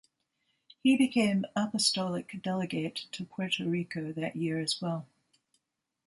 He became Apostolic Delegate to Puerto Rico that year as well.